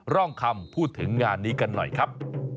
ร่องคำพูดถึงงานนี้กันหน่อยครับ